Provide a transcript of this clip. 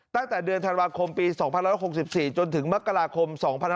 ตั้งแต่เดือนธันวาคมปี๒๑๖๔จนถึงมกราคม๒๕๖๒